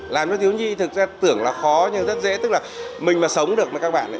làm cho thiếu nhi thực ra tưởng là khó nhưng rất dễ tức là mình mà sống được với các bạn ấy